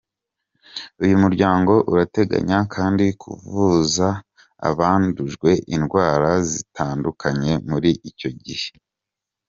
Uyu muryango urateganya kandi kuvuza abandujwe indwara zitandukanye muri icyo gihe.